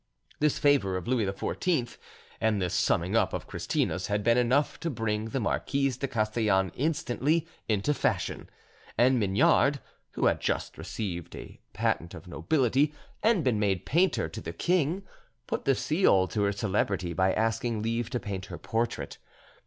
This favour of Louis XIV and this summing up of Christina's had been enough to bring the Marquise de Castellane instantly into fashion; and Mignard, who had just received a patent of nobility and been made painter to the king, put the seal to her celebrity by asking leave to paint her portrait.